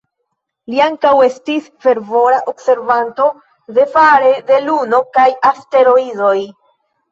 Li ankaŭ estis fervora observanto de fare de Luno kaj asteroidoj.